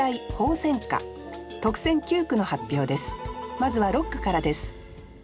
まずは六句からです